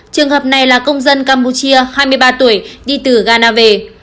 trường hợp này là công dân campuchia hai mươi ba tuổi đi từ ghana về